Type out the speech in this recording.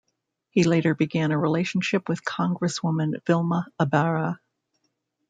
He later began a relationship with Congresswoman Vilma Ibarra.